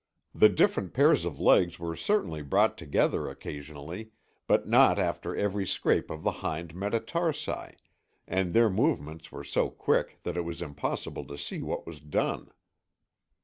The different pairs of legs were certainly brought together occasionally, but not after every scrape of the hind metatarsi, and their movements were so quick that it was impossible to see what was done.